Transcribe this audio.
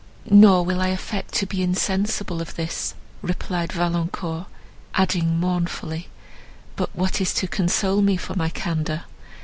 "Nor will I affect to be insensible of this," replied Valancourt, adding mournfully—"but what is to console me for my candour?